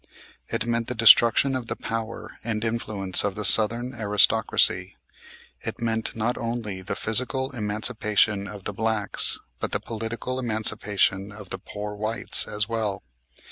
It meant the destruction of the power and influence of the Southern aristocracy. It meant not only the physical emancipation of the blacks but the political emancipation of the poor whites, as well.